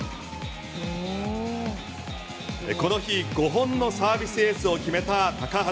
この日５本のサービスエースを決めた高橋。